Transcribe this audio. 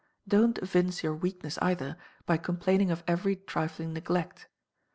Don't evince your weakness either, by complaining of every trifling neglect.